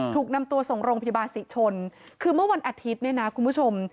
ถูกนำตัวส่งโรงพยาบาลศรีชนคือเมื่อวันอาทิตย์เนี่ยนะคุณผู้ชม